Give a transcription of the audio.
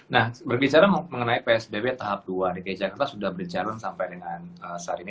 nah berbicara mengenai psbb tahap dua dki jakarta sudah berjalan sampai dengan saat ini